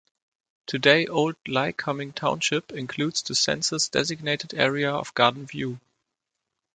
Today Old Lycoming Township includes the census designated area of Garden View.